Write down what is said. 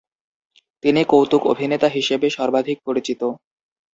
তিনি কৌতুক অভিনেতা হিসেবে সর্বাধিক পরিচিত।